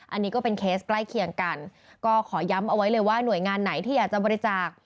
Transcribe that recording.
อันนี้ก็เป็นเคสใกล้เคียงกันก็ขอย้ำเอาไว้เลยว่าหน่วยงานไหนที่อยากจะบริจาค